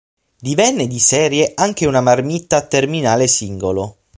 Divenne di serie anche una marmitta a terminale singolo.